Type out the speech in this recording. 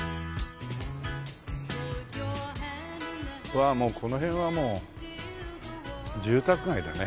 わあこの辺はもう住宅街だね。